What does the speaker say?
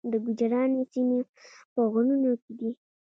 د ګوجرانو سیمې په غرونو کې دي